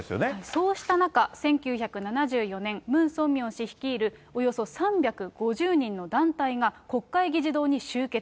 そうした中、１９７４年、ムン・ソンミョン氏率いるおよそ３５０人の団体が国会議事堂に集結。